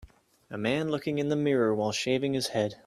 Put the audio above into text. A man looking in the mirror while shaving his head